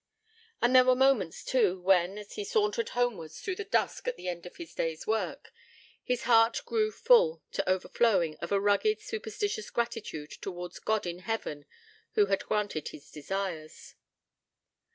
And there were moments too, when, as he sauntered homewards through the dusk at the end of his day's work, his heart grew full to overflowing of a rugged, superstitious gratitude towards God in Heaven who had granted his desires.